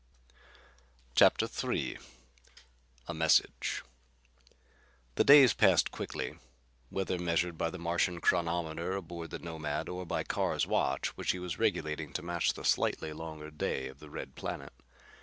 CHAPTER III A Message The days passed quickly, whether measured by the Martian chronometer aboard the Nomad or by Carr's watch, which he was regulating to match the slightly longer day of the red planet.